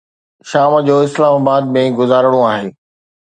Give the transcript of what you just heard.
شام جو اسلام آباد ۾ گذارڻو آهي.